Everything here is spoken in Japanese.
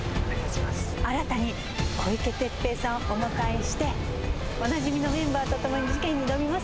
新たに小池徹平さんをお迎えしておなじみのメンバーとともに事件に挑みますよ。